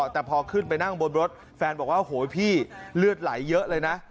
แต่พอขึ้นไปนั่งบนรถแฟนบอกว่าโอ้โหพี่เลือดไหลเยอะเลยนะ